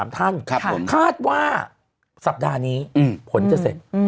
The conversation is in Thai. ๓ท่านคาดว่าสัปดาห์นี้ผลจะเสร็จ